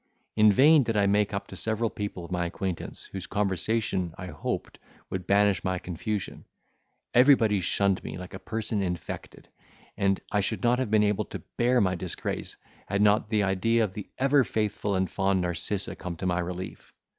In vain did I make up to several people of my acquaintance, whose conversation, I hoped, would banish my confusion; everybody shunned me like a person infected, and I should not have been able to bear my disgrace, had not the idea of the ever faithful and fond Narcissa come to my relief.